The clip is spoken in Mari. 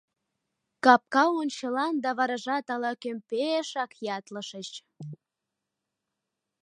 — Капка ончылан да варажат ала-кӧм пе-эшак ятлышыч.